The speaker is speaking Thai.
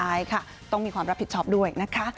ใช่ค่ะต้องมีความรับผิดชอบด้วยนะคะ